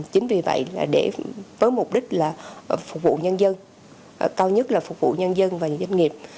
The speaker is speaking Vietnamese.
chính vì vậy với mục đích là phục vụ nhân dân cao nhất là phục vụ nhân dân và doanh nghiệp